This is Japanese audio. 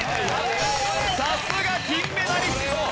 さすが金メダリスト。